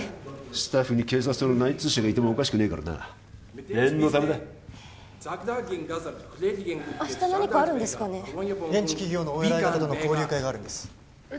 スタッフに警察との内通者がいてもおかしくねえからな念のためだ明日何かあるんですかね現地企業のお偉い方との交流会があるんですえ